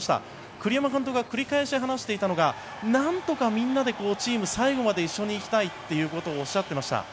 栗山監督が繰り返し話していたのがなんとかみんなでチーム最後まで一緒に行きたいということをおっしゃっていました。